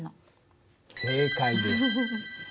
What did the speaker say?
正解です。